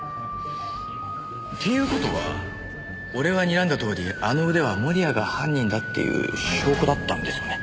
っていう事は俺がにらんだとおりあの腕は盛谷が犯人だっていう証拠だったんですよね？